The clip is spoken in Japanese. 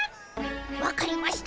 分かりました。